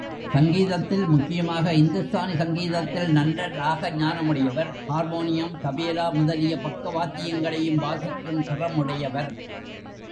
சங்கீதத்தில், முக்கியமாக இந்துஸ்தானி சங்கீதத்தில் நல்ல ராக ஞானமுடையவர் ஹார்மோனியம், தபேலா முதலிய பக்கவாத்தியங்களையும் வாசிக்கும் திறமுடையவர்.